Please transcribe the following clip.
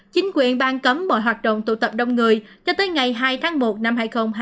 chính quyền bang cấm mọi hoạt động tụ tập đông người cho tới ngày hai tháng một năm hai nghìn hai mươi